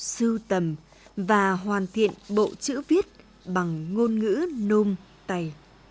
sưu tầm và hoàn thiện bộ chữ viết bằng ngôn ngữ nôm tày